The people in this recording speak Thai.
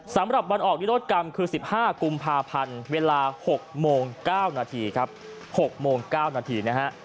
สำหรับวันออกนิโรธกรรมคือ๑๕กุมภาพันธ์เวลา๖โมง๙นาทีครับ๖โมง๙นาทีนะฮะ